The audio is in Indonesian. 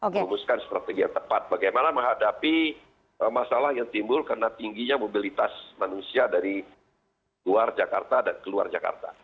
merumuskan strategi yang tepat bagaimana menghadapi masalah yang timbul karena tingginya mobilitas manusia dari luar jakarta dan keluar jakarta